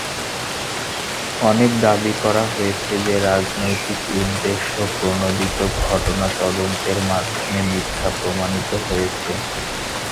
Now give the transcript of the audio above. অনেক দাবি করা হয়েছে যে, রাজনৈতিক উদ্দেশ্যপ্রণোদিত ঘটনা তদন্তের মাধ্যমে মিথ্যা প্রমাণিত হয়েছে।